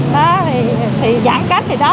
đó thì giãn cách thì đó